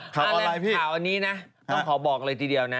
ข่าวนี้นะต้องขอบอกเลยทีเดียวนะ